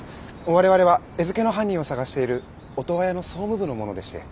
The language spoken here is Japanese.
我々は餌付けの犯人を捜しているオトワヤの総務部の者でして。